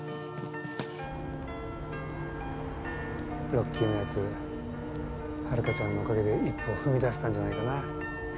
ロッキーのやつハルカちゃんのおかげで一歩踏み出せたんじゃないかな。